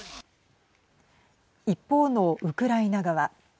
一方のウクライナ側。